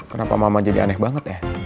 kenapa mama jadi aneh banget ya